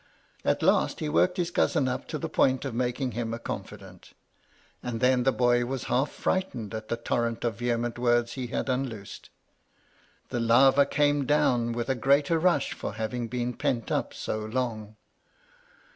At last he worked his cousin up to the point of making him a confidant ; and then the boy was half frightened at the torrent of vehement words he had unloosed. The lava came down with a greater rush for having been pent up so long.